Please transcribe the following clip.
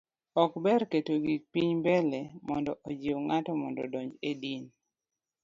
ok ber keto gik piny mbele mondo ojiu ng'ato mondo odonj e din